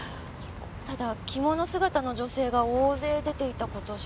ただ着物姿の女性が大勢出ていた事しか。